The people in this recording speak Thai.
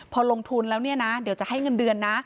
พอลงทุนแล้วเนี่ยนะเดี๋ยวจะให้เงินเดือนนะ